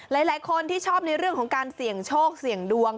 หลายคนที่ชอบในเรื่องของการเสี่ยงโชคเสี่ยงดวง